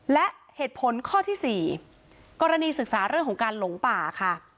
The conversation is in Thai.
และเหตุผลข้อที่๔กรณีศึกษาเรื่องของการหลงป่าค่ะ